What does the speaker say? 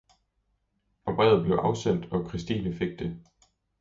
Og brevet blev afsendt og Christine fik det.